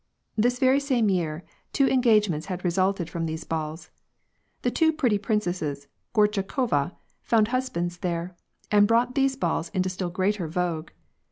This very same year, two engagements had resulted from these balls. The two pretty princesses Gorchakova found hus fvl. bands there, and brought these balls into still greater vogue.